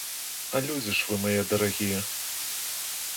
А людзі ж вы мае дарагія!